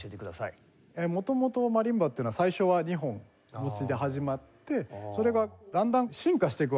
元々マリンバというのは最初は２本持ちで始まってそれがだんだん進化していくわけですよ。